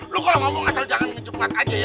lu kalo ngomong asal jangan cepat aja ya